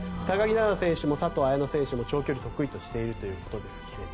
高木菜那選手も佐藤綾乃選手も長距離を得意としているということですが。